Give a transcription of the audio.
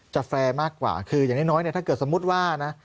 จะแฟร์มากกว่าอย่างน้อยถ้าเกิดสมมุติว่านะ